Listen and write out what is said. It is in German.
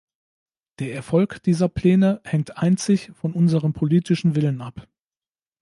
Der Erfolg dieser Pläne hängt einzig von unserem politischen Willen ab.